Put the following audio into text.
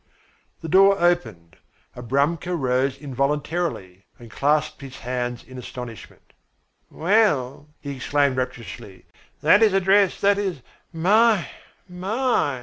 The door opened. Abramka rose involuntarily, and clasped his hands in astonishment. "Well," he exclaimed rapturously, "that is a dress, that is My, my!"